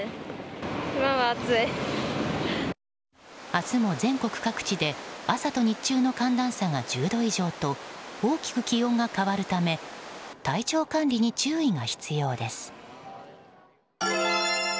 明日も全国各地で朝と日中の気温差が１０度以上と大きく気温が変わるため体調管理に注意が必要です。